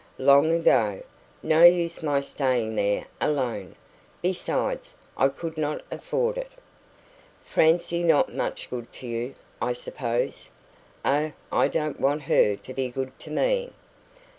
"Long ago. No use my staying there alone. Besides, I could not afford it." "Francie not much good to you, I suppose?" "Oh, I don't want her to be good to me."